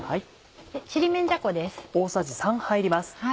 ちりめんじゃこです。